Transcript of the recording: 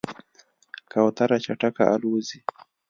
کوتره چټکه الوزي.